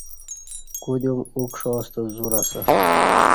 کودیوم اُکݜاستہ زور اسہ